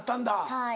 はい。